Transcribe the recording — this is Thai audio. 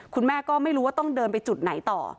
คุณแม่ก็ไม่รู้ว่าต้องเดินไปจุดไหนต่อ